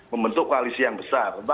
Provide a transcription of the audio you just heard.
membentuk koalisi yang besar